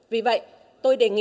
vì vậy tôi đề nghị